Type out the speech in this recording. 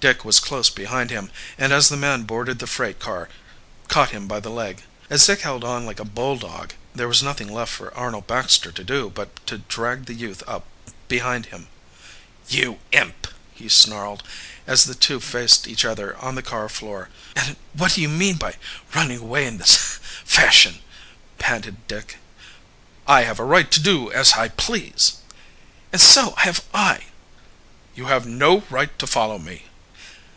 Dick was close behind him, and as the man boarded the freight car caught him by the leg. As Dick held on like a bulldog there was nothing left for Arnold Baxter to do but to drag the youth up behind him. "You imp!" he snarled, as the two faced each other on the car floor. "What do you mean by following me in this fashion?" "And what do you mean by running away in this fashion?" panted Dick. "I have a right to do as I please." "And so have!" "You have no right to follow me."